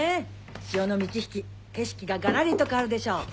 潮の満ち引き景色がガラリと変わるでしょ。